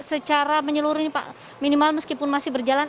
secara menyeluruh ini pak minimal meskipun masih berjalan